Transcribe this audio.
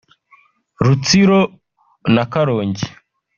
Rutsiro na Karongi